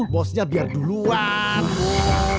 bosnya biar duluan